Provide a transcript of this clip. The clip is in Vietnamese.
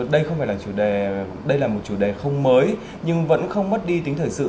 đây không phải là chủ đề đây là một chủ đề không mới nhưng vẫn không mất đi tính thời sự